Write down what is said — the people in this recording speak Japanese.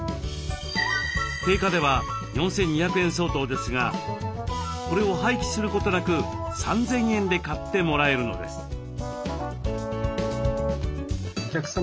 定価では４，２００円相当ですがこれを廃棄することなく３，０００円で買ってもらえるのです。